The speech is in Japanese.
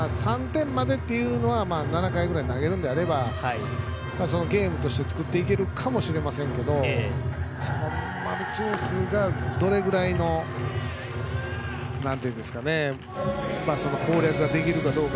３点までというのは７回まで投げるんであればゲームとして作っていけるかもしれませんがどのぐらい攻略ができるかどうか。